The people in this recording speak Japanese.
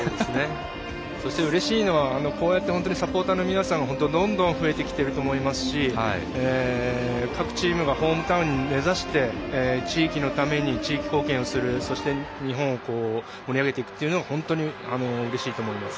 うれしいのはサポーターの皆さんがどんどん増えてきていると思いますし各チームがホームタウンに根ざし地域のために地域貢献をする日本を盛り上げていくというのは本当にうれしいと思います。